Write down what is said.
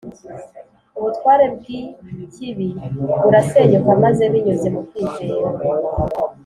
Ubutware bw’ikibi burasenyuka maze binyuze mu kwizera,